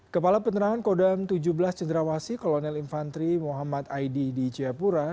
kepala penerangan kodam tujuh belas cendrawasi kolonel infantri muhammad aidi di jayapura